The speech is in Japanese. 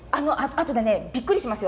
あとでびっくりしますよ。